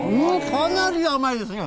かなり甘いですね。